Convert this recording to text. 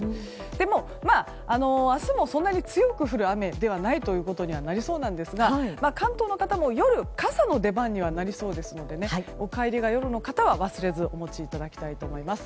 でも、明日もそんなに強く降る雨ではないことにはなりそうなんですが関東の方、夜は傘の出番にはなりそうですのでお帰りが夜の方は忘れずお持ちいただきたいと思います。